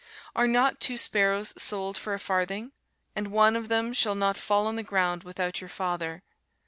Are not two sparrows sold for a farthing? and one of them shall not fall on the ground without your Father.